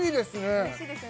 おいしいですよね